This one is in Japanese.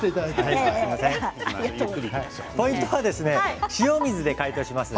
ポイントは塩水で解凍します。